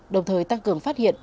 đồng thời tăng cường phát hiện